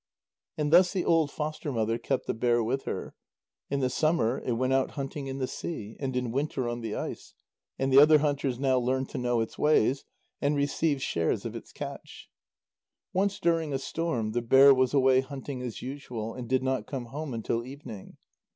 And thus the old foster mother kept the bear with her. In the summer it went out hunting in the sea, and in winter on the ice, and the other hunters now learned to know its ways, and received shares of its catch. Once during a storm the bear was away hunting as usual, and did not come home until evening.